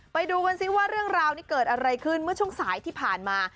ไปดูกันซิว่าเรื่องราวนี้เกิดอะไรขึ้นเมื่อช่วงสายที่ผ่านมา